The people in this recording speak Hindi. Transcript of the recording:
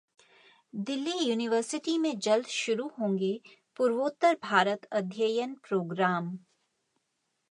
दिल्ली यूनिवर्सिटी में जल्द शुरू होंगे पूर्वोत्तर भारत अध्ययन प्रोग्राम